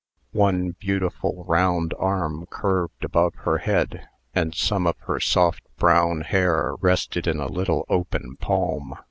One beautiful round arm curved above her head, and some of her soft brown hair rested in the little open palm.